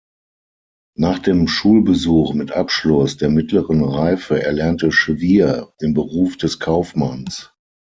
Nach dem Schulbesuch mit Abschluss der mittleren Reife erlernte Schwier den Beruf des Kaufmanns.